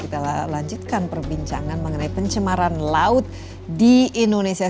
kita lanjutkan perbincangan mengenai pencemaran laut di indonesia